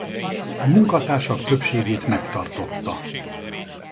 A munkatársak többségét megtartotta.